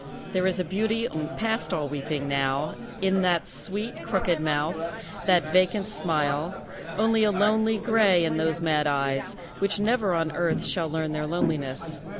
There is a beauty past all weeping now In that sweet, crooked mouth, that vacant smile; Only a lonely grey in those mad eyes, Which never on earth shall learn their loneliness.